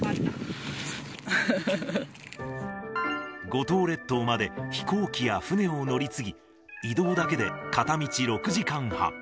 五島列島まで飛行機や船を乗り継ぎ、移動だけで片道６時間半。